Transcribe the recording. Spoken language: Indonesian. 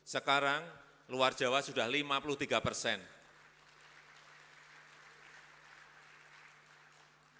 sekarang luar jawa sudah lima puluh tiga persen